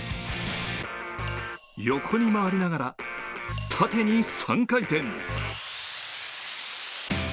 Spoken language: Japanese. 横に回りながら、縦に３回転。